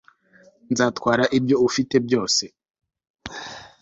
nzatwara ibyo ufite byose